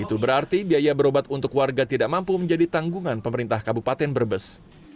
itu berarti biaya berobat untuk warga tidak mampu menjadi tanggungan pemerintah kabupaten brebes